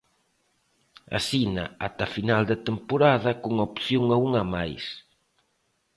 Asina ata final de temporada, con opción a unha máis.